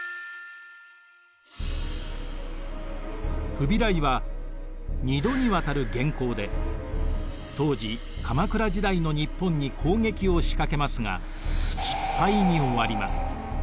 フビライは２度にわたる元寇で当時鎌倉時代の日本に攻撃を仕掛けますが失敗に終わります。